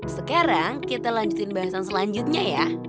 sekarang kita lanjutin bahasan selanjutnya ya